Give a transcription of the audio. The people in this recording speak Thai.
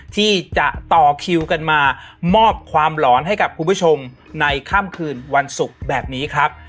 ที่จะต่อคิวกันมามอบความหลอนให้กับคุณผู้ชมในค่ำคืนวันศุกร์แบบนี้ครับ